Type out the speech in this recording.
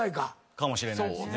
かもしれないですね。